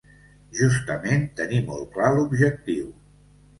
Justament tenir molt clar l’objectiu.